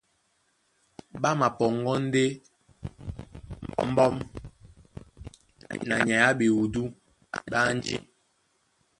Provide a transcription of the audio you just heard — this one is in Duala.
Ɓá mapɔŋgɔ́ ndé mbɔ́m na nyay á ɓewudú ɓé ánjí,